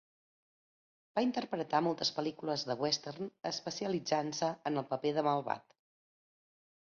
Va interpretar moltes pel·lícules de Western especialitzant-se en el paper de malvat.